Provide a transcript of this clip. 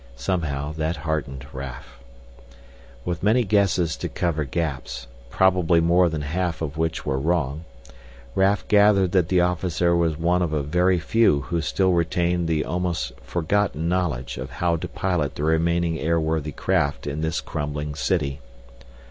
Somehow that heartened Raf. With many guesses to cover gaps, probably more than half of which were wrong, Raf gathered that the officer was one of a very few who still retained the almost forgotten knowledge of how to pilot the remaining airworthy craft in this crumbling city.